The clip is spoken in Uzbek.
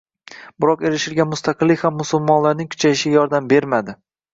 Biroq erishilgan mustaqillik ham musulmonlarning kuchayishiga yordam bermadi